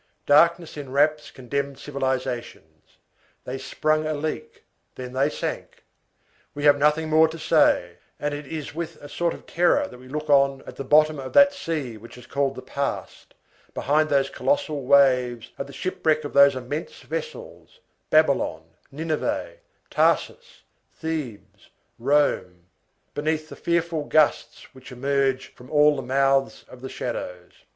Darkness enwraps condemned civilizations. They sprung a leak, then they sank. We have nothing more to say; and it is with a sort of terror that we look on, at the bottom of that sea which is called the past, behind those colossal waves, at the shipwreck of those immense vessels, Babylon, Nineveh, Tarsus, Thebes, Rome, beneath the fearful gusts which emerge from all the mouths of the shadows.